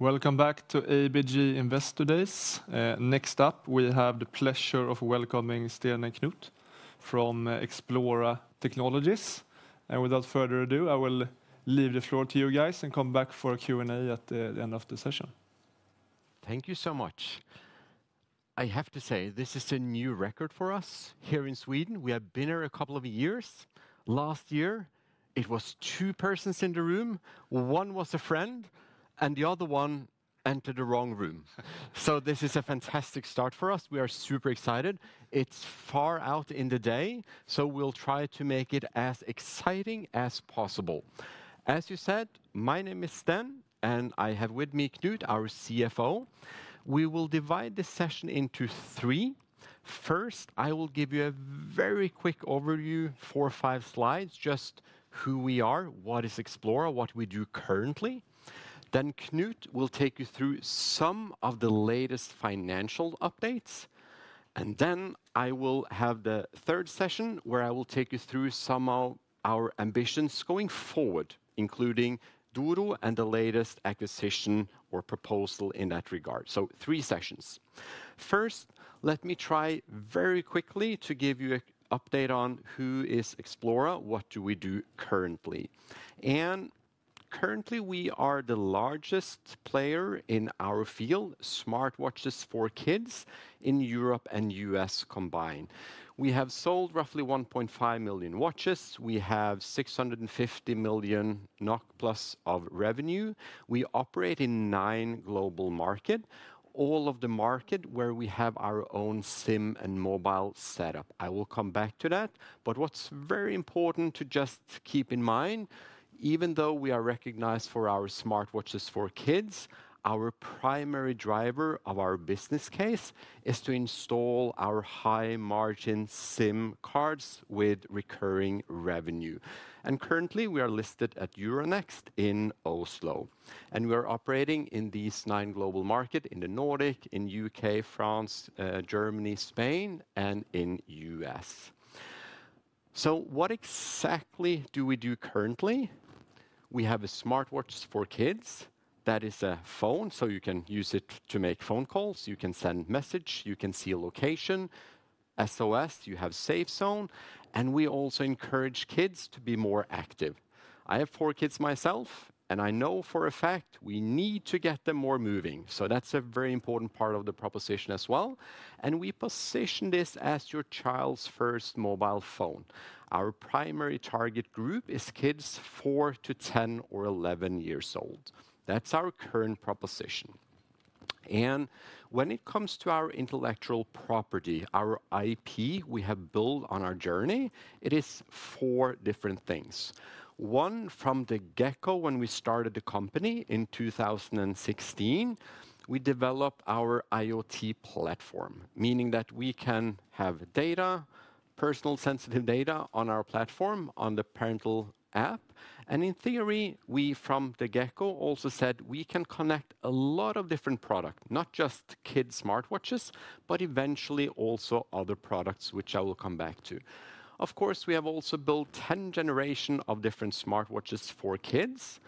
Welcome back to ABG Investor Days. Next up, we have the pleasure of welcoming Sten and Knut from Xplora Technologies. And without further ado, I will leave the floor to you guys and come back for a Q&A at the end of the session. Thank you so much. I have to say, this is a new record for us here in Sweden. We have been here a couple of years. Last year, it was two persons in the room. One was a friend, and the other one entered the wrong room. So this is a fantastic start for us. We are super excited. It's far out in the day, so we'll try to make it as exciting as possible. As you said, my name is Sten, and I have with me Knut, our CFO. We will divide the session into three. First, I will give you a very quick overview, four or five slides, just who we are, what is Xplora, what we do currently. Then Knut will take you through some of the latest financial updates. And then I will have the third session where I will take you through some of our ambitions going forward, including Doro and the latest acquisition or proposal in that regard. So three sessions. First, let me try very quickly to give you an update on who is Xplora, what do we do currently. And currently, we are the largest player in our field, smartwatches for kids in Europe and the U.S. combined. We have sold roughly 1.5 million watches. We have 650 million NOK plus of revenue. We operate in nine global markets, all of the markets where we have our own SIM and mobile setup. I will come back to that. But what's very important to just keep in mind, even though we are recognized for our smartwatches for kids, our primary driver of our business case is to install our high-margin SIM cards with recurring revenue. Currently, we are listed at Euronext in Oslo. We are operating in these nine global markets in the Nordic, in the U.K., France, Germany, Spain, and in the U.S. What exactly do we do currently? We have a smartwatch for kids that is a phone, so you can use it to make phone calls. You can send messages. You can see a location, SOS. You have a safe zone. And we also encourage kids to be more active. I have four kids myself, and I know for a fact we need to get them more moving. That's a very important part of the proposition as well. And we position this as your child's first mobile phone. Our primary target group is kids four to 10 or 11 years old. That's our current proposition. And when it comes to our intellectual property, our IP we have built on our journey, it is four different things. One, from the get-go when we started the company in 2016, we developed our IoT platform, meaning that we can have data, personal sensitive data on our platform, on the parental app. And in theory, we from the get-go also said we can connect a lot of different products, not just kids' smartwatches, but eventually also other products, which I will come back to. Of course, we have also built 10 generations of different smartwatches for kids.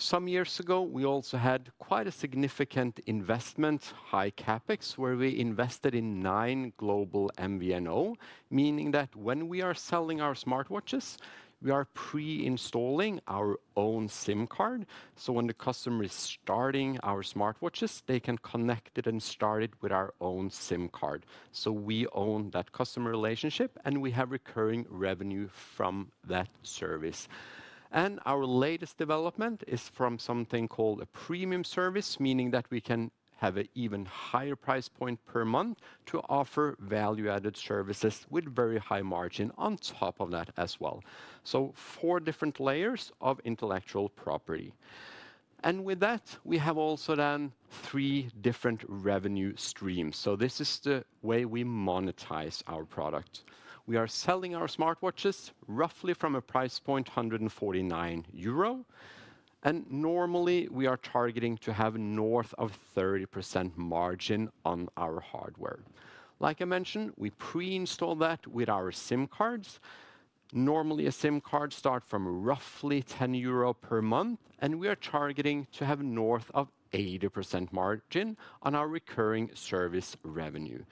Some years ago, we also had quite a significant investment, high CapEx, where we invested in nine global MVNOs, meaning that when we are selling our smartwatches, we are pre-installing our own SIM card. When the customer is starting our smartwatches, they can connect it and start it with our own SIM card. So we own that customer relationship, and we have recurring revenue from that service. And our latest development is from something called a premium service, meaning that we can have an even higher price point per month to offer value-added services with very high margin on top of that as well. So four different layers of intellectual property. And with that, we have also done three different revenue streams. So this is the way we monetize our product. We are selling our smartwatches roughly from a price point of 149 euro. And normally, we are targeting to have north of 30% margin on our hardware. Like I mentioned, we pre-install that with our SIM cards. Normally, a SIM card starts from roughly 10 euro per month, and we are targeting to have north of 80% margin on our recurring service revenue,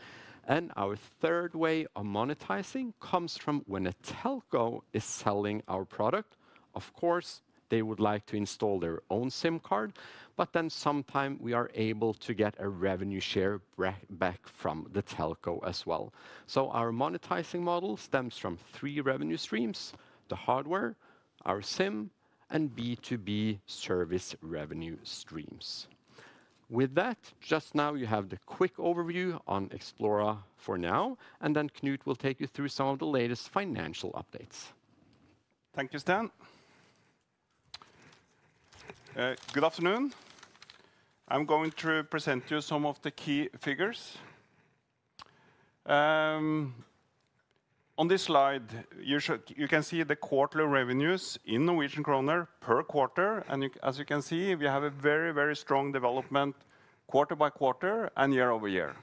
and our third way of monetizing comes from when a telco is selling our product. Of course, they would like to install their own SIM card, but then sometimes we are able to get a revenue share back from the telco as well. Our monetizing model stems from three revenue streams: the hardware, our SIM, and B2B service revenue streams. With that, just now you have the quick overview on Xplora for now, and then Knut will take you through some of the latest financial updates. Thank you, Sten. Good afternoon. I'm going to present to you some of the key figures. On this slide, you can see the quarterly revenues in Norwegian kroner per quarter. And as you can see, we have a very, very strong development quarter by quarter and year-over-year.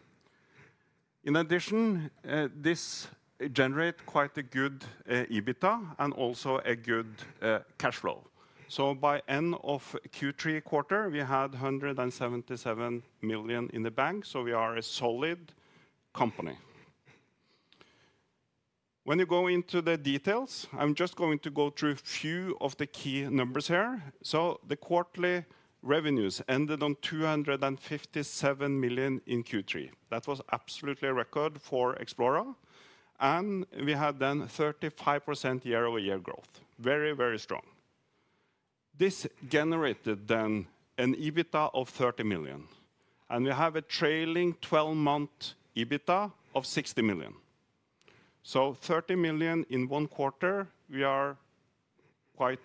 In addition, this generates quite a good EBITDA and also a good cash flow. So by the end of Q3 quarter, we had 177 million in the bank, so we are a solid company. When you go into the details, I'm just going to go through a few of the key numbers here. So the quarterly revenues ended on 257 million in Q3. That was absolutely a record for Xplora. And we had then 35% year-over-year growth, very, very strong. This generated then an EBITDA of 30 million, and we have a trailing 12-month EBITDA of 60 million. So 30 million in one quarter, we are quite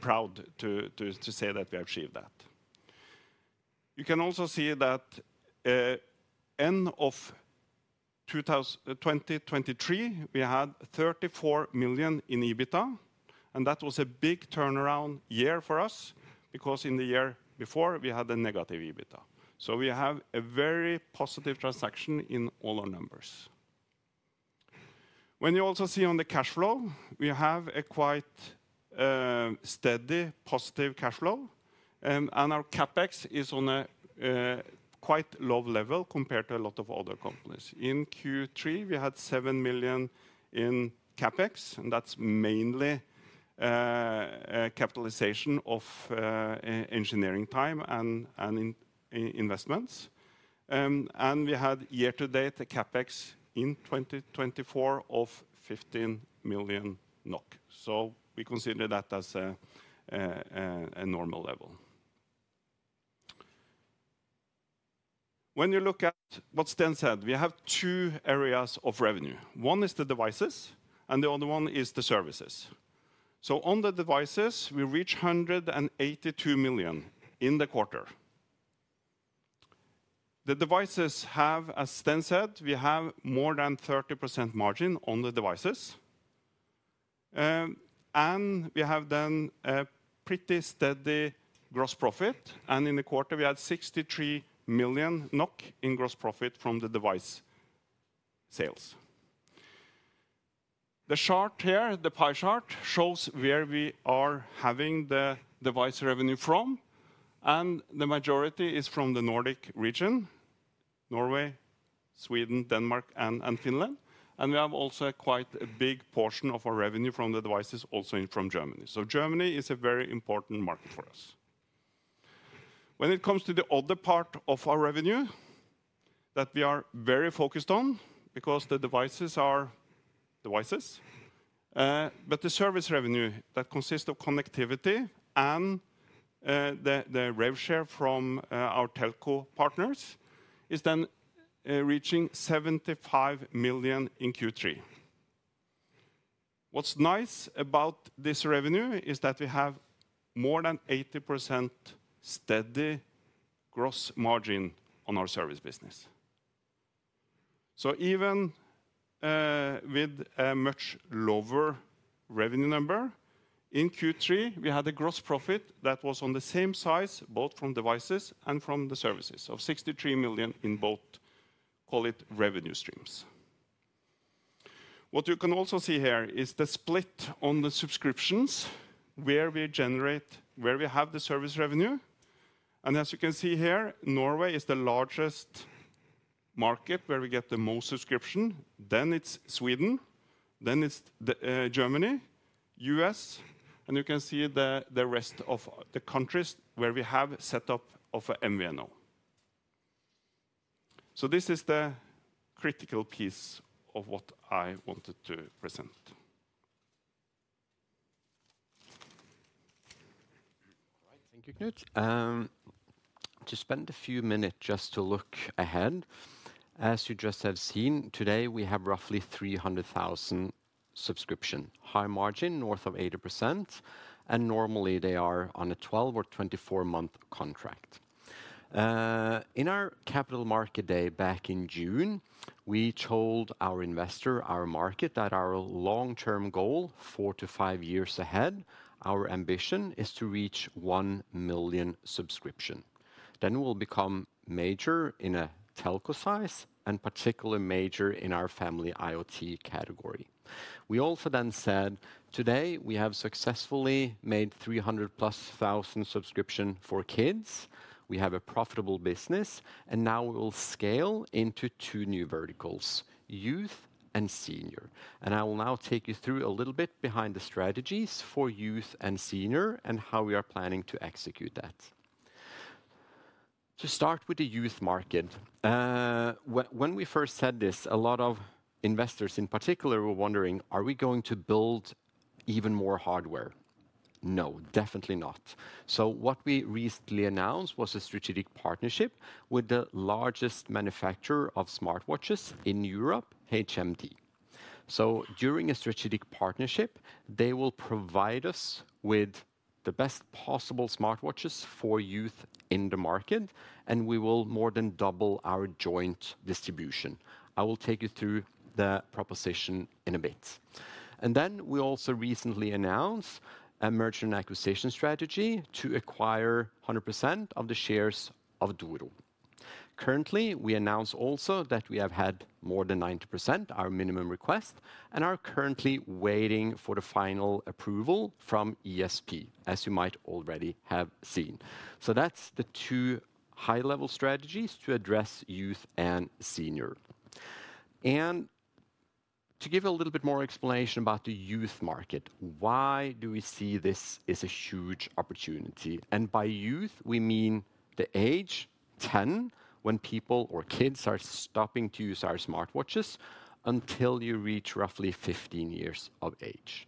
proud to say that we have achieved that. You can also see that end of 2023, we had 34 million in EBITDA, and that was a big turnaround year for us because in the year before, we had a negative EBITDA. So we have a very positive transaction in all our numbers. When you also see on the cash flow, we have a quite steady positive cash flow, and our CapEx is on a quite low level compared to a lot of other companies. In Q3, we had 7 million in CapEx, and that's mainly capitalization of engineering time and investments. And we had year-to-date a CapEx in 2024 of 15 million NOK. So we consider that as a normal level. When you look at what Sten said, we have two areas of revenue. One is the devices, and the other one is the services. So on the devices, we reached 182 million in the quarter. The devices have, as Sten said, we have more than 30% margin on the devices. And we have then a pretty steady gross profit. And in the quarter, we had 63 million NOK in gross profit from the device sales. The chart here, the pie chart, shows where we are having the device revenue from. And the majority is from the Nordic region: Norway, Sweden, Denmark, and Finland. And we have also quite a big portion of our revenue from the devices also from Germany. So Germany is a very important market for us. When it comes to the other part of our revenue that we are very focused on, because the devices are devices, but the service revenue that consists of connectivity and the rev share from our telco partners is then reaching 75 million in Q3. What's nice about this revenue is that we have more than 80% steady gross margin on our service business. So even with a much lower revenue number, in Q3, we had a gross profit that was on the same size, both from devices and from the services, of 63 million in both, call it revenue streams. What you can also see here is the split on the subscriptions where we generate, where we have the service revenue. And as you can see here, Norway is the largest market where we get the most subscription. Then it's Sweden, then it's Germany, U.S., and you can see the rest of the countries where we have set up our MVNO. So this is the critical piece of what I wanted to present. Thank you, Knut. To spend a few minutes just to look ahead, as you just have seen, today we have roughly 300,000 subscriptions, high margin, north of 80%, and normally they are on a 12-month or 24-month contract. In our capital market day back in June, we told our investor, our market, that our long-term goal, four to five years ahead, our ambition is to reach 1 million subscription. Then we'll become major in a telco size and particularly major in our family IoT category. We also then said, today we have successfully made 300 plus thousand subscriptions for kids. We have a profitable business, and now we will scale into two new verticals, youth and senior, and I will now take you through a little bit behind the strategies for youth and senior and how we are planning to execute that. To start with the youth market, when we first said this, a lot of investors in particular were wondering, are we going to build even more hardware? No, definitely not. So what we recently announced was a strategic partnership with the largest manufacturer of smartwatches in Europe, HMD. So during a strategic partnership, they will provide us with the best possible smartwatches for youth in the market, and we will more than double our joint distribution. I will take you through the proposition in a bit. And then we also recently announced a merger and acquisition strategy to acquire 100% of the shares of Doro. Currently, we announced also that we have had more than 90%, our minimum request, and are currently waiting for the final approval from ESP, as you might already have seen. So that's the two high-level strategies to address youth and senior. To give a little bit more explanation about the youth market, why do we see this as a huge opportunity? By youth, we mean the age 10, when people or kids are stopping to use our smartwatches until you reach roughly 15 years of age.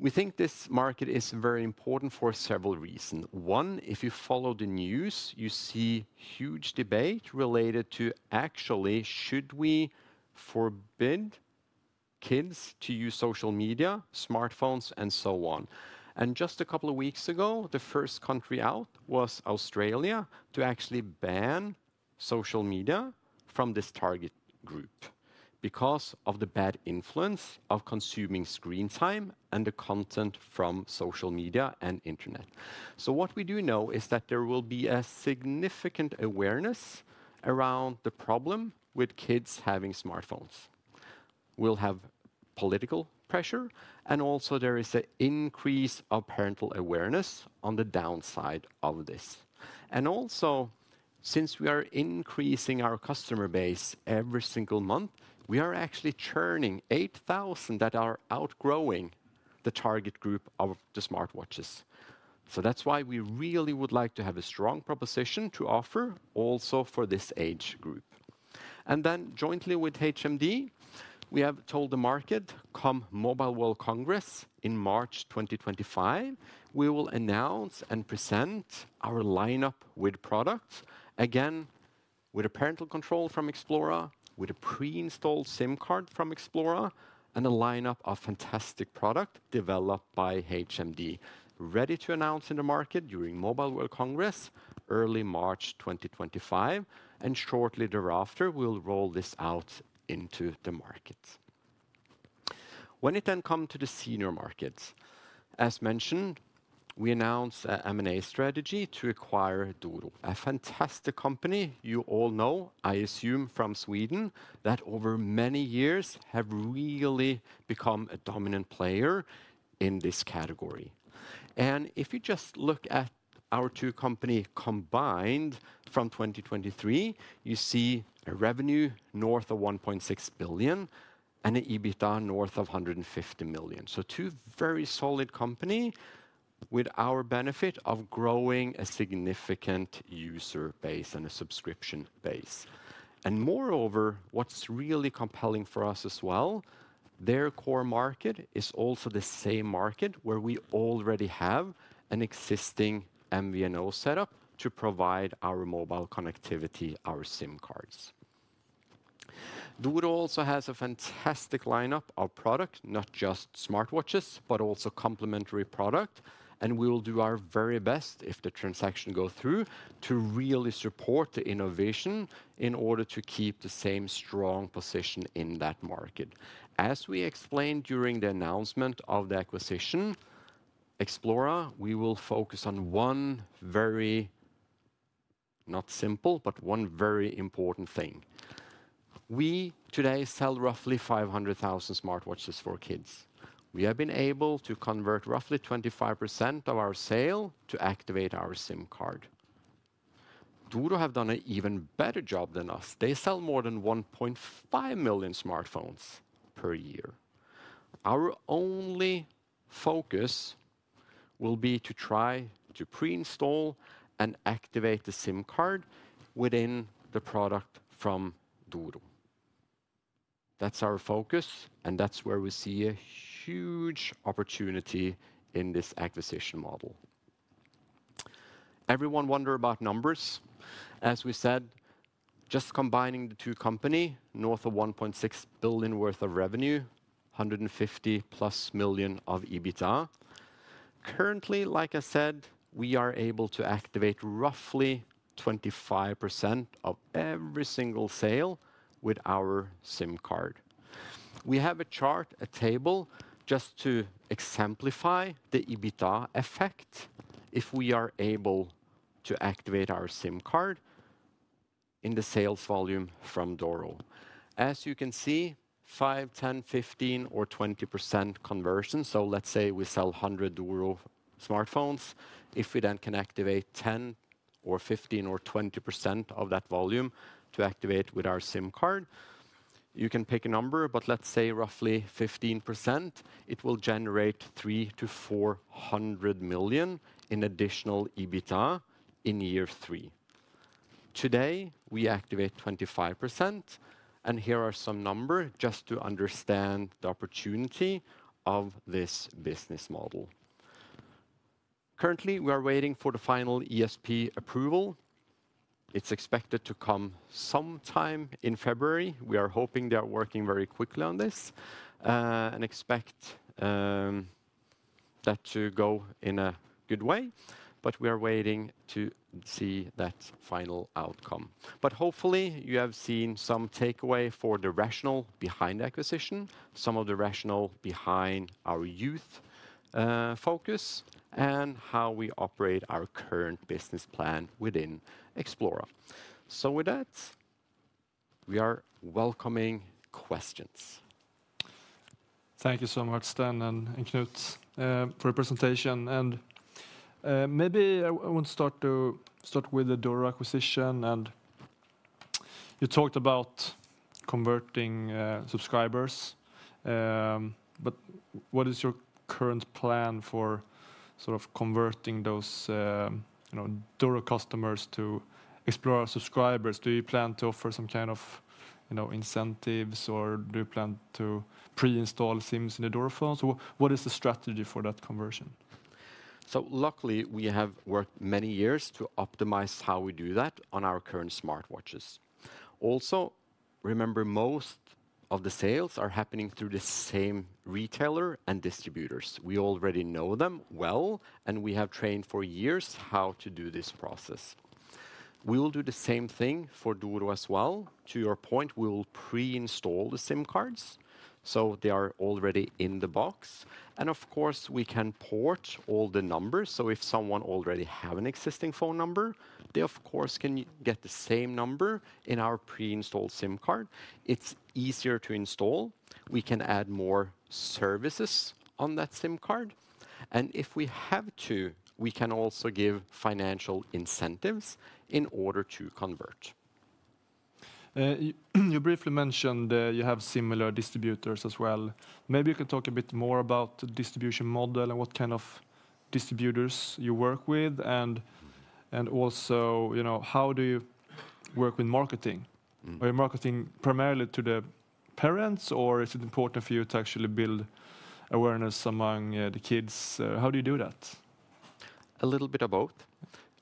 We think this market is very important for several reasons. One, if you follow the news, you see huge debate related to actually, should we forbid kids to use social media, smartphones, and so on? Just a couple of weeks ago, the first country out was Australia to actually ban social media from this target group because of the bad influence of consuming screen time and the content from social media and internet. What we do know is that there will be a significant awareness around the problem with kids having smartphones. We'll have political pressure, and also there is an increase of parental awareness on the downside of this. And also, since we are increasing our customer base every single month, we are actually churning 8,000 that are outgrowing the target group of the smartwatches. So that's why we really would like to have a strong proposition to offer also for this age group. And then jointly with HMD, we have told the market, come Mobile World Congress in March 2025, we will announce and present our lineup with products, again, with a parental control from Xplora, with a pre-installed SIM card from Xplora, and a lineup of fantastic products developed by HMD, ready to announce in the market during Mobile World Congress, early March 2025, and shortly thereafter, we'll roll this out into the market. When it then comes to the senior markets, as mentioned, we announced an M&A strategy to acquire Doro, a fantastic company you all know, I assume, from Sweden, that over many years have really become a dominant player in this category. And if you just look at our two companies combined from 2023, you see a revenue north of 1.6 billion and an EBITDA north of 150 million. So two very solid companies with our benefit of growing a significant user base and a subscription base. And moreover, what's really compelling for us as well, their core market is also the same market where we already have an existing MVNO setup to provide our mobile connectivity, our SIM cards. Doro also has a fantastic lineup of products, not just smartwatches, but also complementary products, and we will do our very best if the transaction goes through to really support the innovation in order to keep the same strong position in that market. As we explained during the announcement of the acquisition, Xplora, we will focus on one very, not simple, but one very important thing. We today sell roughly 500,000 smartwatches for kids. We have been able to convert roughly 25% of our sale to activate our SIM card. Doro have done an even better job than us. They sell more than 1.5 million smartphones per year. Our only focus will be to try to pre-install and activate the SIM card within the product from Doro. That's our focus, and that's where we see a huge opportunity in this acquisition model. Everyone wonders about numbers. As we said, just combining the two companies, north of 1.6 billion worth of revenue, 150 million plus of EBITDA. Currently, like I said, we are able to activate roughly 25% of every single sale with our SIM card. We have a chart, a table, just to exemplify the EBITDA effect if we are able to activate our SIM card in the sales volume from Doro. As you can see, 5%, 10%, 15%, or 20% conversion. So let's say we sell 100 smartphones. If we then can activate 10 or 15% or 20% of that volume to activate with our SIM card, you can pick a number, but let's say roughly 15%, it will generate 300 million - 400 million in additional EBITDA in year three. Today, we activate 25%, and here are some numbers just to understand the opportunity of this business model. Currently, we are waiting for the final ESP approval. It's expected to come sometime in February. We are hoping they are working very quickly on this and expect that to go in a good way, but we are waiting to see that final outcome. But hopefully, you have seen some takeaway for the rationale behind the acquisition, some of the rationale behind our youth focus, and how we operate our current business plan within Xplora. So with that, we are welcoming questions. Thank you so much, Sten and Knut, for the presentation. Maybe I want to start with the Doro acquisition. You talked about converting subscribers, but what is your current plan for sort of converting those Doro customers to Xplora subscribers? Do you plan to offer some kind of incentives, or do you plan to pre-install SIMs in the Doro phones? What is the strategy for that conversion? So luckily, we have worked many years to optimize how we do that on our current smartwatches. Also, remember, most of the sales are happening through the same retailer and distributors. We already know them well, and we have trained for years how to do this process. We will do the same thing for Doro as well. To your point, we will pre-install the SIM cards, so they are already in the box. And of course, we can port all the numbers. So if someone already has an existing phone number, they of course can get the same number in our pre-installed SIM card. It's easier to install. We can add more services on that SIM card. And if we have to, we can also give financial incentives in order to convert. You briefly mentioned you have similar distributors as well. Maybe you can talk a bit more about the distribution model and what kind of distributors you work with, and also how do you work with marketing? Are you marketing primarily to the parents, or is it important for you to actually build awareness among the kids? How do you do that? A little bit of both.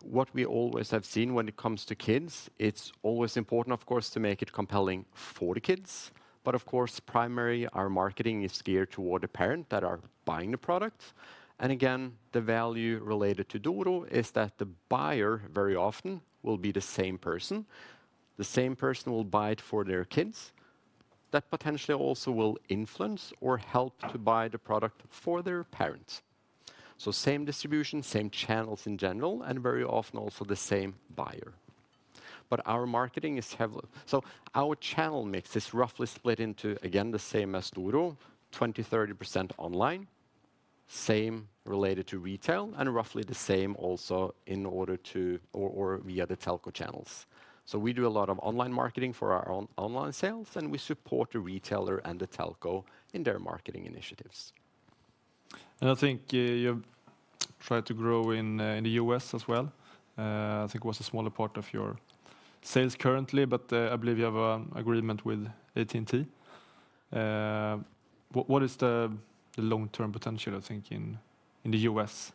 What we always have seen when it comes to kids, it's always important, of course, to make it compelling for the kids. But of course, primarily, our marketing is geared toward the parent that is buying the product. And again, the value related to Doro is that the buyer very often will be the same person. The same person will buy it for their kids. That potentially also will influence or help to buy the product for their parents. So same distribution, same channels in general, and very often also the same buyer. But our marketing is heavily, so our channel mix is roughly split into, again, the same as Doro, 20%-30% online, same related to retail, and roughly the same also in order to or via the telco channels. So we do a lot of online marketing for our online sales, and we support the retailer and the telco in their marketing initiatives. I think you've tried to grow in the U.S. as well. I think it was a smaller part of your sales currently, but I believe you have an agreement with AT&T. What is the long-term potential, I think, in the U.S.?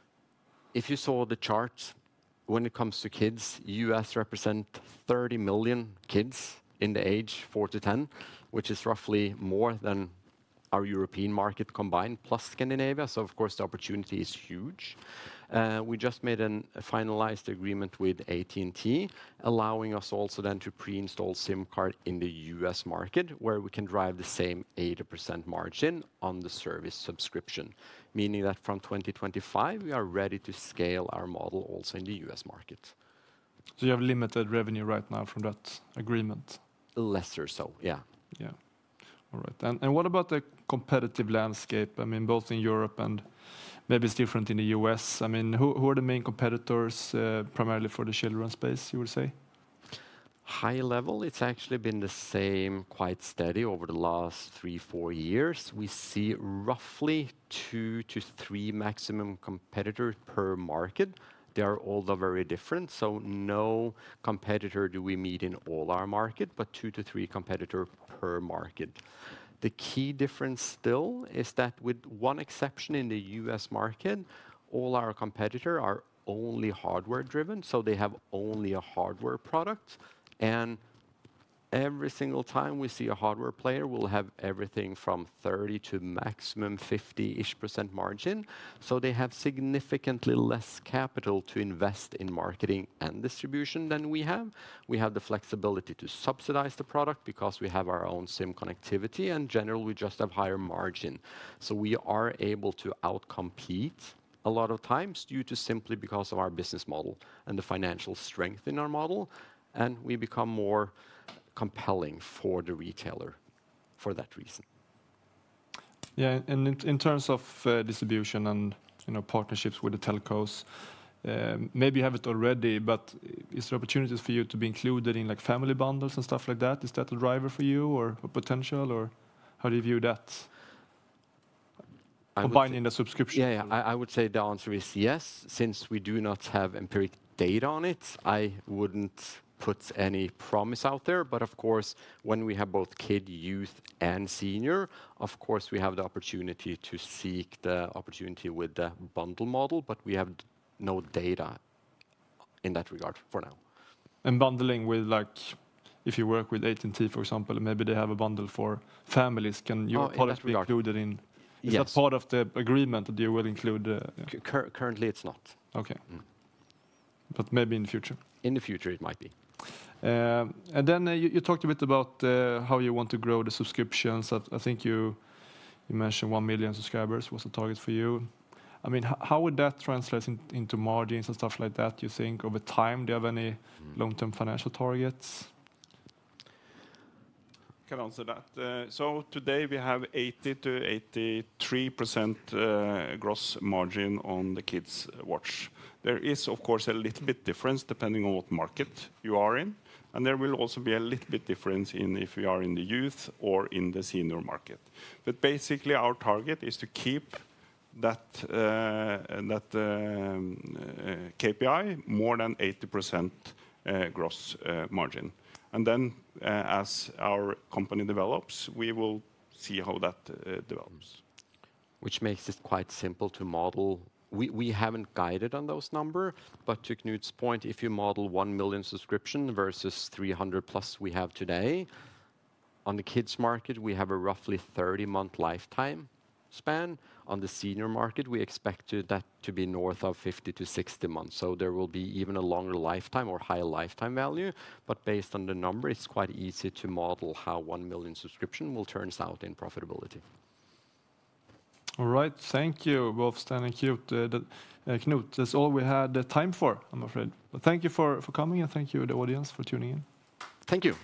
If you saw the charts, when it comes to kids, U.S. represents 30 million kids in the age four to 10, which is roughly more than our European market combined plus Scandinavia. So of course, the opportunity is huge. We just made a finalized agreement with AT&T, allowing us also then to pre-install SIM cards in the U.S. market, where we can drive the same 80% margin on the service subscription, meaning that from 2025, we are ready to scale our model also in the U.S. market. So you have limited revenue right now from that agreement? Lesser so, yeah. Yeah. All right. And what about the competitive landscape? I mean, both in Europe and maybe it's different in the U.S. I mean, who are the main competitors primarily for the children's space, you would say? High level, it's actually been the same, quite steady over the last three, four years. We see roughly two to three maximum competitors per market. They are all very different. So no competitor do we meet in all our market, but two to three competitors per market. The key difference still is that with one exception in the U.S. market, all our competitors are only hardware-driven, so they have only a hardware product, and every single time we see a hardware player, we'll have everything from 30% to maximum 50-ish% margin, so they have significantly less capital to invest in marketing and distribution than we have. We have the flexibility to subsidize the product because we have our own SIM connectivity, and generally, we just have higher margin. We are able to outcompete a lot of times due to simply because of our business model and the financial strength in our model, and we become more compelling for the retailer for that reason. Yeah, and in terms of distribution and partnerships with the telcos, maybe you have it already, but is there opportunities for you to be included in family bundles and stuff like that? Is that a driver for you or a potential, or how do you view that combined in the subscription? Yeah, I would say the answer is yes. Since we do not have empirical data on it, I wouldn't put any promise out there. But of course, when we have both kid, youth, and senior, of course, we have the opportunity to seek the opportunity with the bundle model, but we have no data in that regard for now. Bundling with, if you work with AT&T, for example, maybe they have a bundle for families. Can you possibly include it in? Is that part of the agreement that you will include? Currently, it's not. Okay, but maybe in the future? In the future, it might be. And then you talked a bit about how you want to grow the subscriptions. I think you mentioned one million subscribers was the target for you. I mean, how would that translate into margins and stuff like that, do you think, over time? Do you have any long-term financial targets? I can answer that. So today, we have 80%-83% gross margin on the kids' watch. There is, of course, a little bit of difference depending on what market you are in, and there will also be a little bit of difference in if you are in the youth or in the senior market. But basically, our target is to keep that KPI, more than 80% gross margin. And then as our company develops, we will see how that develops. Which makes it quite simple to model. We haven't guided on those numbers, but to Knut's point, if you model 1 million subscription versus 300 plus we have today, on the kids' market, we have a roughly 30-month lifetime span. On the senior market, we expect that to be north of 50 months - 60 months. So there will be even a longer lifetime or higher lifetime value. But based on the number, it's quite easy to model how 1 million subscription will turn out in profitability. All right. Thank you both, Sten and Knut. Knut, that's all we had time for, I'm afraid. But thank you for coming, and thank you to the audience for tuning in. Thank you.